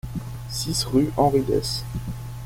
six rue Henri Dès